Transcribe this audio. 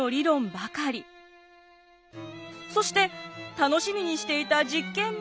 そして楽しみにしていた実験も。